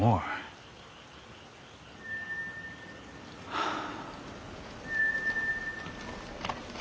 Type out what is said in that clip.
はあ。